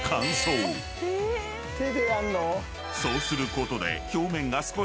［そうすることで］